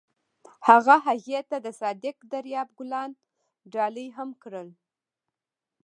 هغه هغې ته د صادق دریاب ګلان ډالۍ هم کړل.